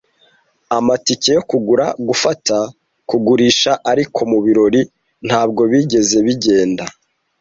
Amatike yo kugura, gufata, kugurisha, ariko mubirori ntabwo bigeze bigenda,